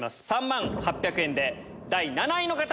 ３万８００円で第７位の方！